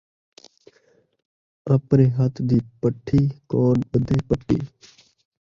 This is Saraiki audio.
آپݨے ہتھ دی پٹھی کون ٻدھے پٹی